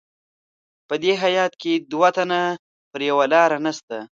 په دې هیات کې دوه تنه پر یوه لار نسته.